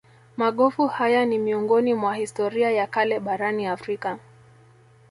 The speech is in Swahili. Magofu haya ni miongoni mwa historia ya kale barani Afrika